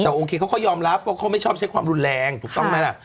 แต่โอเคเขาก็ยอมรับว่าเขาไม่ชอบใช้ความรุนแรงถูกต้องไหมล่ะ